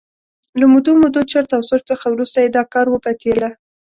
له مودو مودو چرت او سوچ څخه وروسته یې دا کار وپتېله.